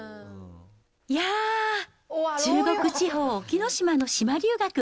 いやぁ、中国地方、隠岐島の島留学。